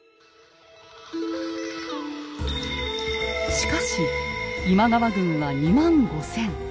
しかし今川軍は２万５，０００。